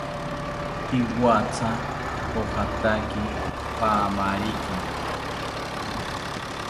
Iwatha pojataki paamariki